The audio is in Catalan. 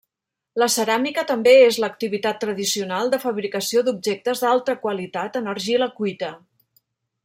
La ceràmica també és l'activitat tradicional de fabricació d'objectes d'alta qualitat en argila cuita.